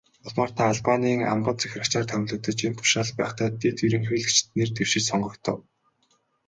Улмаар та Албанийн амбан захирагчаар томилогдож, энэ тушаалд байхдаа дэд ерөнхийлөгчид нэр дэвшиж, сонгогдов.